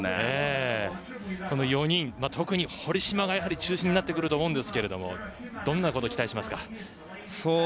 この４人特に堀島が中心になってくると思いますがどんなことを期待しますか？